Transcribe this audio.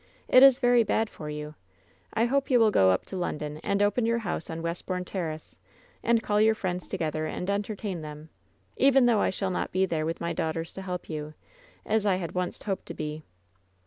It is very bad for you. I hope you will go up to London, and open your house on Westboume Terrace, and call your friends together and entertain them, even though I shall not be there with my daughters to help you, as I had once hoped to be."